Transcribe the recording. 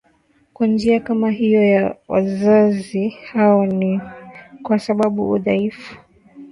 kwa njia kama hiyo ya wazazi wao Hii ni kwa sababu udhaifu